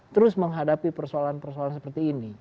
terus menghadapi persoalan persoalan seperti ini